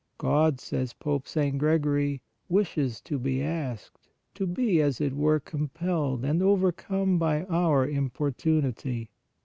" God," says Pope St. Gregory, " wishes to be asked, to be, as it were compelled and overcome by our importunity."